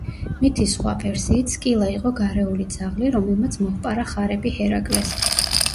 მითის სხვა ვერსიით, სკილა იყო გარეული ძაღლი, რომელმაც მოჰპარა ხარები ჰერაკლეს.